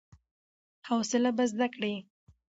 حوصله به زده کړې !